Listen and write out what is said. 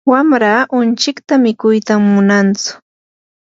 wamraa unchikta mikuyta munantsu.